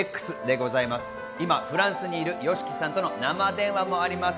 今、フランスにいるＹＯＳＨＩＫＩさんとの生電話もあります。